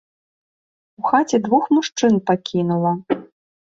У хаце двух мужчын пакінула.